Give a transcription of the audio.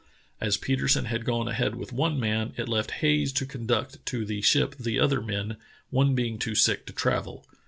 As Petersen had gone ahead with one man, it left Hayes to conduct to the ship the other men, one being too sick to travel.